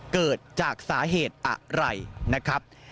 เกิดจากสาเหตุอะไรนะครับ